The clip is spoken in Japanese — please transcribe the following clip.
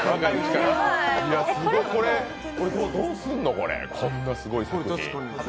これ、どうすんの、こんなすごい作品。